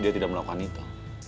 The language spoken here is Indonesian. dia tidak melakukan itu